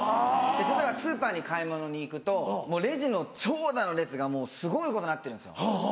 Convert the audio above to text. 例えばスーパーに買い物に行くとレジの長蛇の列がもうすごいことになってるんですよ。